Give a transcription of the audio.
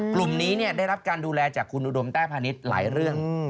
กลุ่มนี้ได้รับการดูแลจากคุณอุดมแต้พาณิชย์หลายเรื่อง